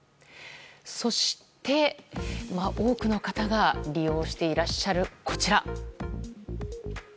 そして、多くの方が利用していらっしゃる、こちら。